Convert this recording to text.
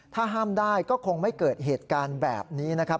ถ้าห้ามได้ก็คงไม่เกิดเหตุการณ์แบบนี้นะครับ